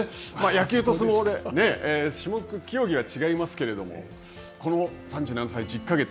野球と相撲で種目、競技は違いますけどもこの３７歳、１０か月。